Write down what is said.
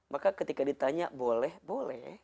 maka ketika ditanya boleh boleh